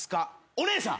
お姉さん。